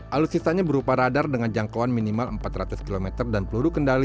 alutsistanya berupa radar dengan jangkauan minimal empat ratus km dan peluru kendali